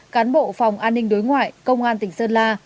cán bộ phòng an ninh đối ngoại công an tỉnh sơn la